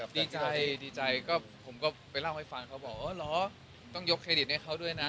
ดีใจดีใจก็ผมก็ไปเล่าให้ฟังเขาบอกอ๋อเหรอต้องยกเครดิตให้เขาด้วยนะ